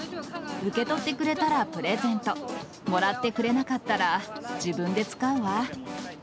受け取ってくれたらプレゼント、もらってくれなかったら、自分で使うわ。